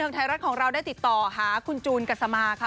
จมูกเข้าปากนะฮะแต่ว่าบรรเทิงไทยรัฐของเราได้ติดต่อหาคุณจูนกัษมาค่ะ